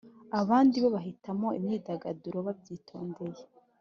Abandi bo bahitamo imyidagaduro babyitondeye